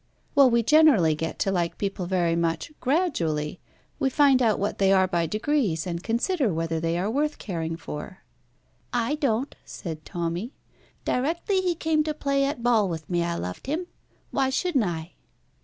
"Well, we generally get to like people very much gradually. We find out what they are by degrees, and consider whether they are worth caring for." "I don't," said Tommy. "Directly he came to play at ball with me I loved him. Why shouldn't I?"